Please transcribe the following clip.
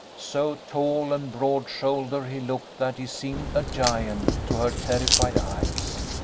So tall and broad shouldered he looked, that he seemed a giant to her terrified eyes.